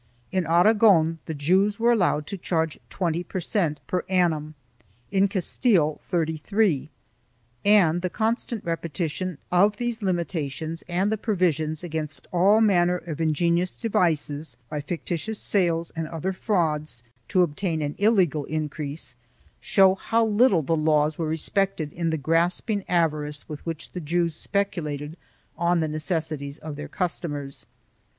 In Aragon the Jews were allowed to charge 20 per cent, per annum, in Castile 33J,3 and the constant repetition of these limitations and the pro visions against all manner of ingenious devices, by fictitious sales and other frauds, to obtain an illegal increase, show how little the laws were respected in the grasping avarice with which the Jews speculated on the necessities of their customers.